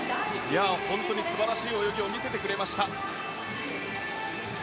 本当に素晴らしい泳ぎを見せてくれました。